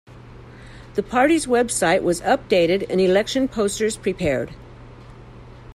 The party's website was updated and election posters prepared.